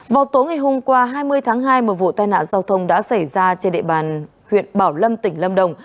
vào tối ngày hôm qua hai mươi tháng hai một vụ tai nạn giao thông đã xảy ra trên địa bàn huyện bảo lâm tỉnh lâm đồng